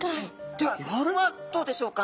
では夜はどうでしょうか？